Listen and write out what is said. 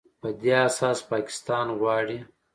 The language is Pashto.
په دې اساس پاکستان غواړي